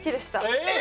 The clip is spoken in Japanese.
えっ！